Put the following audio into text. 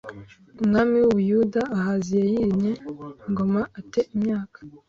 umwami w u Buyuda Ahaziya yimye ingoma a te imyaka